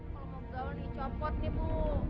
kalo mau gaul dicompot nih bu